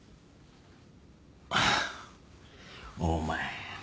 お前。